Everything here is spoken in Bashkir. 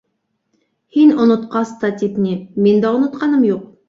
- Һин онотҡас та, тип ни, мин дә онотҡаным юҡ..